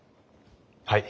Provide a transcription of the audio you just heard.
はい。